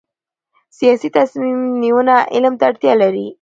سیاسي تصمیم نیونه علم ته اړتیا لري